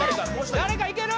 誰かいける？